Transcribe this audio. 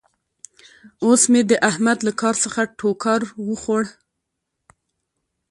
اوس مې د احمد له کار څخه ټوکار وخوړ.